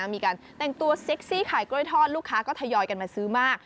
มีการแต่งตัวเซ็กซี่ขายกล้วยทอดลูกค้าก็ทยอยกันมาซื้อมาก